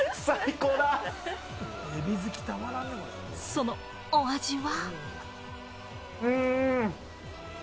そのお味は？